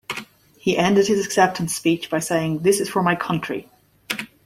He ended his acceptance speech by saying, "This is for my country".